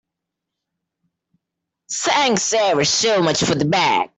Thanks ever so much for the bag.